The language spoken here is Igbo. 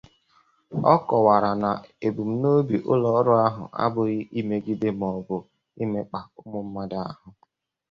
Ọ kọwara na ebumnobi ụlọọrụ ahụ abụghị imegide maọbụ imekpà ụmụ mmadụ ahụ